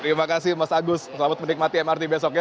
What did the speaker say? terima kasih mas agus selamat menikmati mrt besok ya